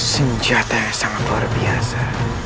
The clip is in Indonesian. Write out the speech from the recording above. senjata yang sangat luar biasa